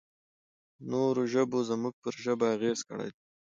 نورو ژبو زموږ پر ژبه اغېز کړی دی.